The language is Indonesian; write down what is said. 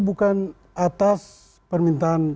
bukan atas permintaan